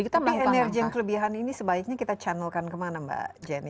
tapi energi yang kelebihan ini sebaiknya kita channelkan kemana mbak jenny